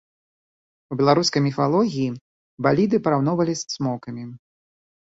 У беларускай міфалогіі баліды параўноўвалі з цмокамі.